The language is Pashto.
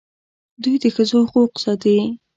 دوی د ښځو حقوق ساتي.